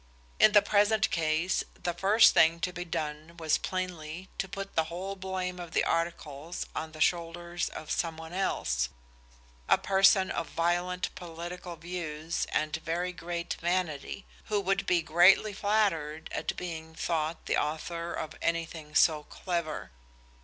In the present case the first thing to be done was plainly to put the whole blame of the articles on the shoulders of some one else, a person of violent political views and very great vanity, who would be greatly flattered at being thought the author of anything so clever.